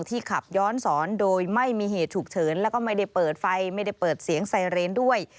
ขับย้อนสอนโดยไม่มีเหตุฉุกเฉินแล้วก็ไม่ได้เปิดไฟไม่ได้เปิดเสียงไซเรนด้วย